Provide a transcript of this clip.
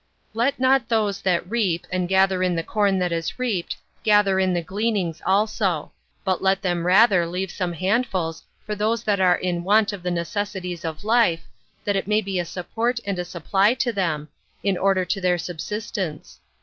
21. Let not those that reap, and gather in the corn that is reaped, gather in the gleanings also; but let them rather leave some handfuls for those that are in want of the necessaries of life, that it may be a support and a supply to them, in order to their subsistence.